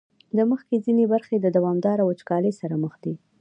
د مځکې ځینې برخې د دوامداره وچکالۍ سره مخ دي.